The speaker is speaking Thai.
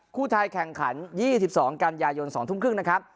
คู่ไทยแข่งขัน๒๒กันยายน๒ทุ่มครึ่งนะครับ